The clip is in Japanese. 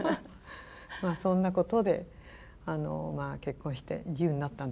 まあそんなことで結婚して自由になったんです。